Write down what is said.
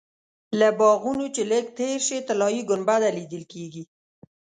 له باغونو چې لږ تېر شې طلایي ګنبده لیدل کېږي.